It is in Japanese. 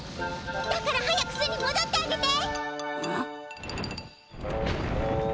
だから早く巣にもどってあげて。